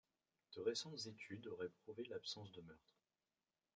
De récentes études auraient prouvé l'absence de meurtre.